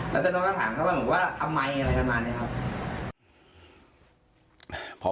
แต่เจ้าน้อยก็ถามเขาก็บอกว่าทำไมอะไรประมาณนี้ครับ